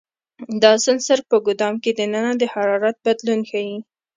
دا سنسر په ګدام کې دننه د حرارت بدلون ښيي.